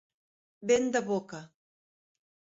Vent de boca.